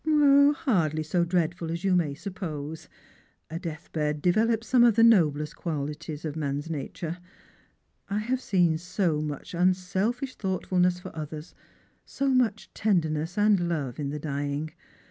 "Hardly so dreadful as you may supjDose. A deathbed develops some of the noblest qualities of a man's nature. I have seen so much unselfish thoughtfulness for others, so much tenderness and love in the dying.